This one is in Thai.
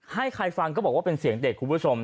ให้ใครฟังก็บอกว่าเป็นเสียงเด็กคุณผู้ชม